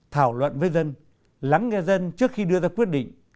thảo luận với dân lắng nghe dân trước khi đưa ra quyết định